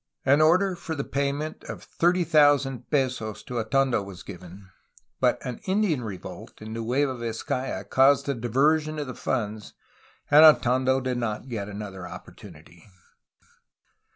An order for the payment of 30,000 pesos to Atondo was given, but an Indian revolt in Nueva Vizcaya caused a diversion of the funds, and Atondo did not get another opportunity.